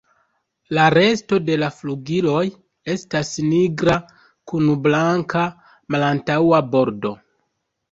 La resto de la flugiloj estas nigra kun blanka malantaŭa bordo.